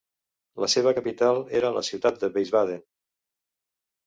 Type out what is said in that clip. La seva capital era la ciutat de Wiesbaden.